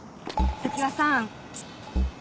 常磐さん。